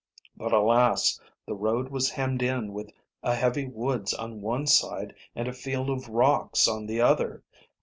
But, alas! the road was hemmed in with a heavy woods on one side and a field of rocks on the other.